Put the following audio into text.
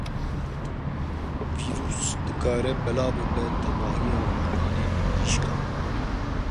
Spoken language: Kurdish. Vîrus dikare belav bibe tevahiya organên mirîşkan.